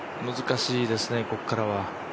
難しいですね、ここからは。